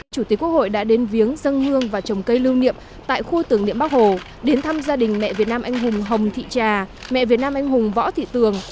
chủ tịch quốc hội đã đến viếng dân hương và trồng cây lưu niệm tại khu tưởng niệm bắc hồ đến thăm gia đình mẹ việt nam anh hùng hồng thị trà mẹ việt nam anh hùng võ thị tường